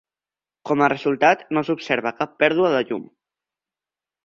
Com a resultat, no s'observa cap pèrdua de llum.